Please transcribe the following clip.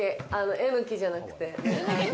えのきじゃなくて。